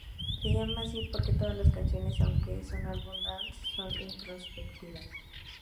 Se llama así porque "todas las canciones, aunque es un álbum dance, son introspectivas".